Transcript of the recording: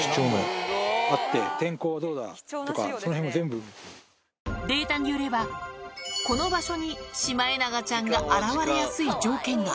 天候どうだとか、データによれば、この場所にシマエナガちゃんが現れやすい条件が。